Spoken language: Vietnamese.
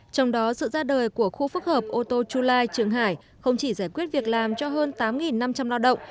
trong đó sự ra đời của khu phức hợp ô tô chu lai trường hải không chỉ giải quyết việc làm cho hơn tám năm trăm linh lao động